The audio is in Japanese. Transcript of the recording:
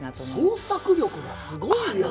創作力がすごいよね。